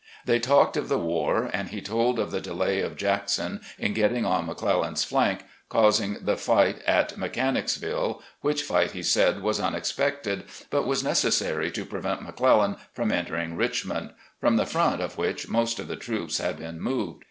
Hiey talked of the war, and he told of the delay of Jackson in getting on McClellan's flank, causing the fight at Mechan icsville, which fight he said was tmexpected, but was necessary to prevent McClellan from entering Richmond, from the front of which most of the troops had been moved.